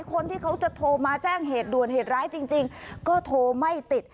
คนที่เขาจะโทรมาแจ้งเหตุด่วนเหตุร้ายจริงก็โทรไม่ติด